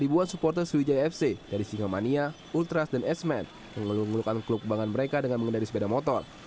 ribuan supporter sriwijaya fc dari singamania ultras dan esmen mengeluh ngeluhkan klub kebangan mereka dengan mengendari sepeda motor